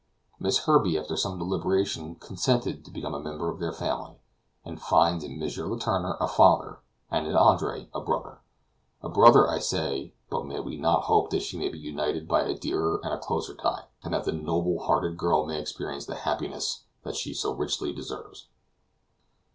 Miss Herbey, after some deliberation, consented to become a member of their family, and finds in M. Letourneur a father, and in Andre a brother. A brother, I say; but may we not hope that she may be united by a dearer and a closer tie, and that the noble hearted girl may experience the happiness that she so richly deserves?